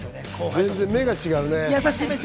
全然目が違うね。